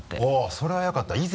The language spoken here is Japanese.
あぁそれはよかった。